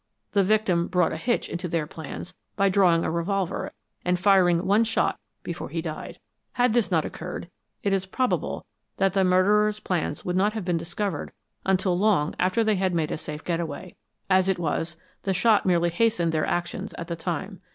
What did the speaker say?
The victim brought a hitch into their plans by drawing a revolver and firing one shot before he died. Had this not occurred, it is probable that the murderers' plans would not have been discovered until long after they had made a safe getaway. As it was, the shot merely hastened their actions at the time.